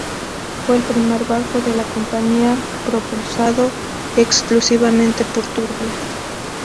Fue el primer barco de la compañía propulsado exclusivamente por turbinas.